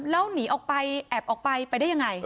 แล้วหนีออกไปแอบออกไปไปได้ยังไง